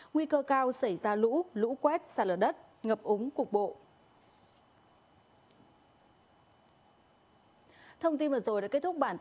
nguy cơ cao xảy ra lũ lũ quét xả lở đất ngập ống cục bộ